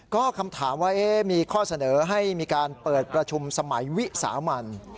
ก็คำถามว่ามีข้อเสนอให้มีการเปิดประชุมสมัยวิสามัน